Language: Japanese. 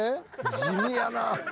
地味やな。